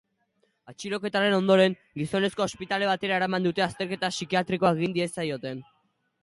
Atxiloketaren ondoren, gizonezkoa ospitale batera eraman dute azterketa psikiatrikoa egin diezaioten.